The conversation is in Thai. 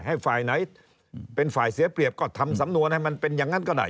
ให้ฝ่ายไหนเป็นฝ่ายเสียเปรียบก็ทำสำนวนให้มันเป็นอย่างนั้นก็ได้